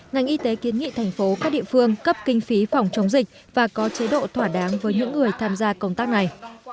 ngành y tế kiến nghị thành phố các địa phương cấp kinh phí phòng chống dịch và có chế độ thỏa đáng với những người tham gia công tác này